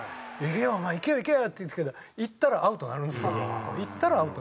「お前いけよいけよ」って言うんですけどいったらアウトになるんですよ。